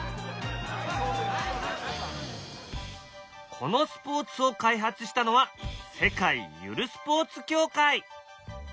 このスポーツを開発したのは世界ゆるスポーツ協会。